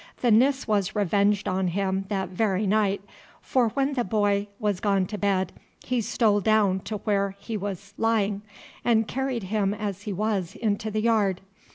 The Nis was revenged on him that very night, for when the boy was gone to bed he stole down to where he was lying and carried him as he was into the yard.